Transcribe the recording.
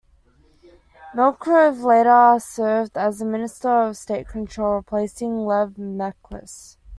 Merkulov later served as Minister of State Control, replacing Lev Mekhlis.